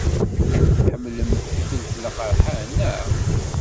Tḥemmlem ifelfel aqerḥan, naɣ?